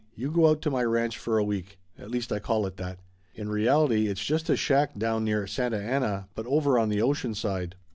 "You go out to my ranch for a week. At least I call it that. In reality it's just a shack down near Santa Ana, but over on the ocean side.